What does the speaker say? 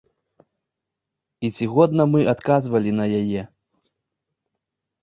І ці годна мы адказвалі на яе?